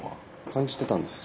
感じてたんです。